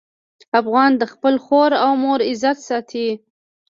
افغان د خپل خور او مور عزت ساتي.